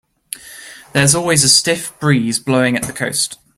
There's always a stiff breeze blowing at the coast.